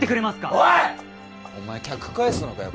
おいっお前客返すのかよ